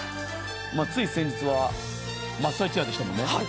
つい先日は、マッサージチェアでしたもんね。